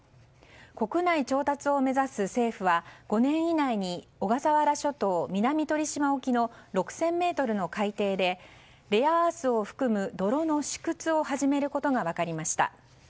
国内調達を目指す政府は５年以内に小笠原諸島・南鳥島沖の６０００ｍの海底でレアアースを含む泥の試掘を始めることが分かりました。